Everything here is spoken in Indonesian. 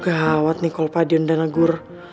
gawat nih kalau pak dion udah nagur